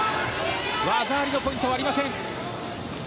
技ありのポイントはありません。